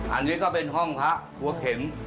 อันนี้ก็เป็นห้องพระหัวเข็ม